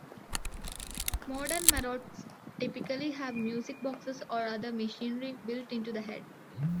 Modern marottes typically have music boxes or other machinery built into the head.